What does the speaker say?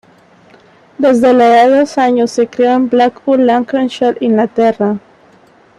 Desde la edad de dos años, se crio en Blackpool, Lancashire, Inglaterra.